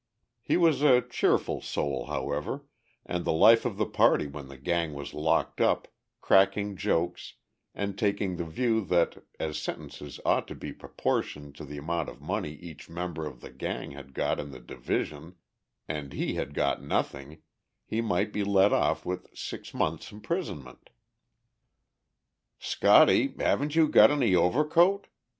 He was a cheerful soul, however, and the life of the party when the gang was locked up, cracking jokes, and taking the view that, as sentences ought to be proportioned to the amount of money each member of the gang had got in the division, and he had got nothing, he might be let off with six months' imprisonment. "Scotty, haven't you got any overcoat?"